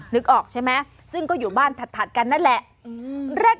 นึกออกใช่ไหมซึ่งก็อยู่บ้านถัดกันนั่นแหละ